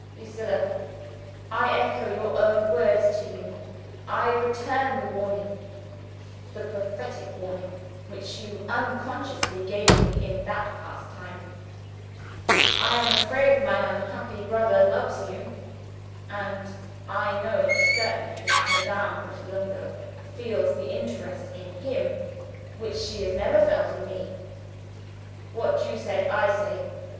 "Lucilla! I echo your own words to you. I return the warning the prophetic warning which you unconsciously gave me in that past time. I am afraid my unhappy brother loves you and I know for certain that Madame Pratolungo feels the interest in him which she has never felt in me. What you said, I say.